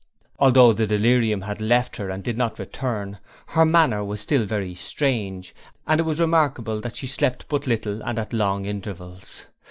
Although the delirium had left her and did not return, her manner was still very strange, and it was remarkable that she slept but little and at long intervals.